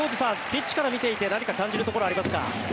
ピッチから見ていて何か感じるところはありますか。